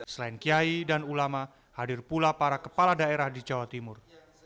selain kiai dan ulama hadir pula para kepala daerah di jawa timur